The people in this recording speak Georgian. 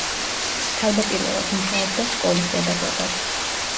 თავდაპირველად მუშაობდა სკოლის პედაგოგად.